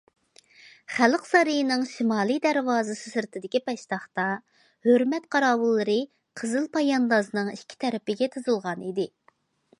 خەلق سارىيىنىڭ شىمالى دەرۋازىسى سىرتىدىكى پەشتاقتا، ھۆرمەت قاراۋۇللىرى قىزىل پاياندازنىڭ ئىككى تەرىپىگە تىزىلغان ئىدى.